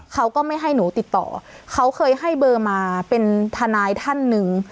เขาก็ไม่ให้หนูติดต่อเขาเคยให้เบอร์มาเป็นทนายท่านหนึ่ง